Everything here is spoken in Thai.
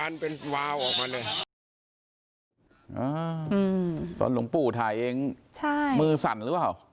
มึวสั่นหรือเปล่า